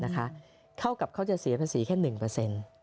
ค่าเขากับเขาจะเสียภาษีแค่๑